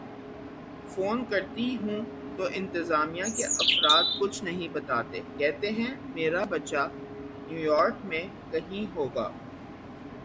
phone کرتی ہوں تو انتظامیہ کے افراد کچھ نہیں بتاتے کہتے ہیں میرا بچہ نیویارک میں کہیں ہوگا